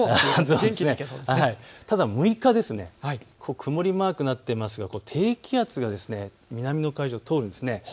ただ６日、曇りマークになっていますが低気圧が南の海上を通るんですね。